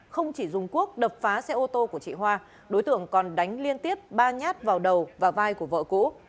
không chỉ dùng quốc đập phá xe ô tô của chị hoa đối tượng còn đánh liên tiếp ba nhát vào đầu và vai của vợ cũ